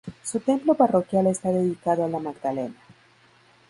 Su templo parroquial está dedicado a La Magdalena.